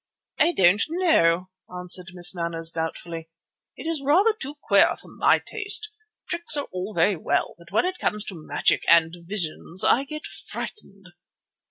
"I don't know," answered Miss Manners, doubtfully, "it is rather too queer for my taste. Tricks are all very well, but when it comes to magic and visions I get frightened."